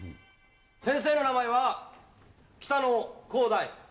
先生の名前は北野広大。